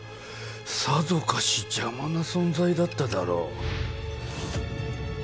さぞかし邪魔な存在だっただろう。